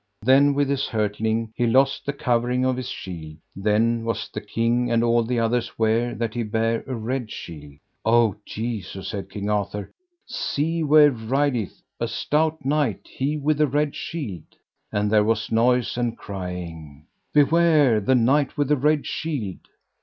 Then with his hurtling he lost the covering of his shield, then was the king and all other ware that he bare a red shield. O Jesu, said King Arthur, see where rideth a stout knight, he with the red shield. And there was noise and crying: Beware the Knight with the Red Shield.